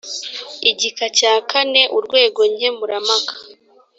igika cya kane urwego nkemurampaka